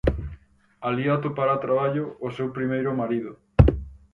Alí atopara traballo o seu primeiro marido.